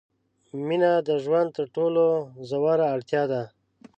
مینه د ژوند تر ټولو ژوره اړتیا ده.